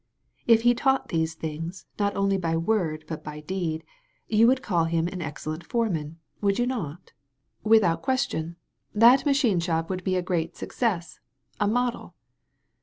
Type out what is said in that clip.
If he taught these things, not only by word but by deed, you would call him an excellent foreman, would you not?" 191 THE VALLEY OF VISION "Without a question. That machine shop would be a great success, a model."